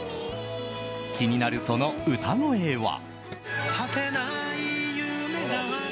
気になるその歌声は。